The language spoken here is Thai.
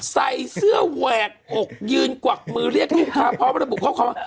ใส่เสื้อแหวกอกยืนกวักมือเรียกลูกค้าพร้อมระบุข้อความว่า